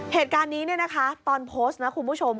เหตุการณ์นี้เนี่ยนะคะตอนโพสต์นะคุณผู้ชม